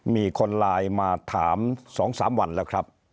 มีคนไลน์มาถาม๒๓วันแล้วครับ